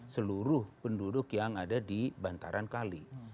seluruh penduduk yang ada di bantaran kali